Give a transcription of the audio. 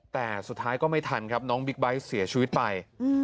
แต่สุดท้ายก็ไม่ทันครับน้องบิ๊กไบท์เสียชีวิตไป